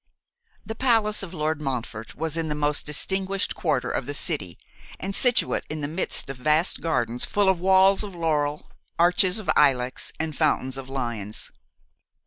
The palace of Lord Montfort was in the most distinguished quarter of the city, and situate in the midst of vast gardens full of walls of laurel, arches of ilex, and fountains of lions.